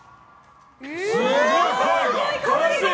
すごい！声が。